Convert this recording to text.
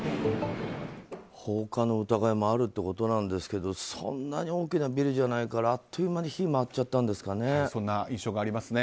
放火の疑いもあるということなんですけどそんなに大きなビルじゃないからあっという間にそんな印象がありますね。